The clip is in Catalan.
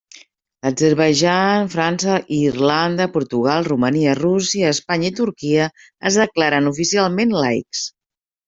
L'Azerbaidjan, França, Irlanda, Portugal, Romania, Rússia, Espanya i Turquia es declaren oficialment laics.